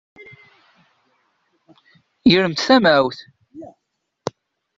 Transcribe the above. Gremt tamawt!